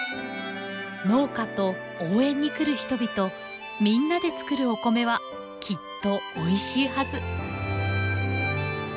農家と応援に来る人々みんなで作るお米はきっとおいしいはず。